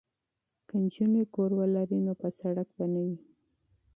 که نجونې کور ولري نو په سړک به نه وي.